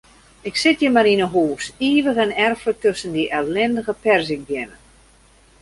Ik sit hjir mar yn 'e hûs, ivich en erflik tusken dy ellindige perzikbeammen.